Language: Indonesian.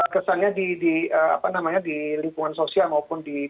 kesannya di lingkungan sosial maupun di